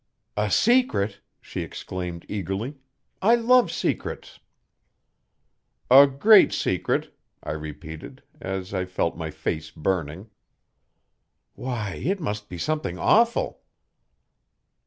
'A secret,' she exclaimed eagerly. 'I love secrets.' 'A great secret,' I repeated, as I felt my face burning. 'Why it must be something awful!'